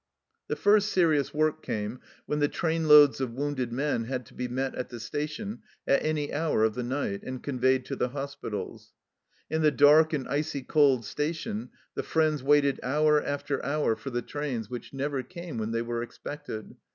The first serious work came when the trainloads of wounded men had to be met at the station at any hour of the night, and conveyed to the hospitals. In the dark and icy cold station the friends waited hour after hour for the trains which 22 THE CELLAR HOUSE OF PERVYSE never came when they were expected.